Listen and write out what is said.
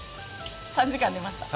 ３時間寝ました。